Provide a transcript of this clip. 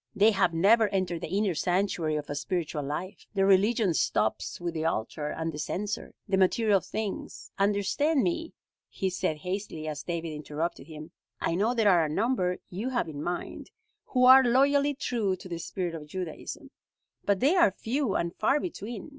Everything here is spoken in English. They have never entered the inner sanctuary of a spiritual life. Their religion stops with the altar and the censer the material things. Understand me," he said hastily, as David interrupted him, "I know there are a number you have in mind, who are loyally true to the spirit of Judaism, but they are few and far between.